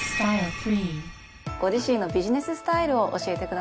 ご自身のビジネススタイルを教えてください。